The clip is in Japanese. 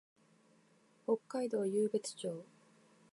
北海道湧別町